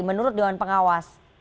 menurut dewan pengawas